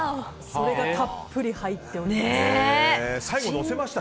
それがたっぷり入っております。